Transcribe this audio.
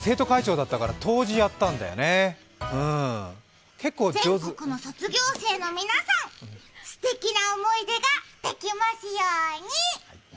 中学校のときはね、おじさん生徒会長だったから答辞やったんだよね、結構上手全国の卒業生の皆さん、すてきな思い出ができますように！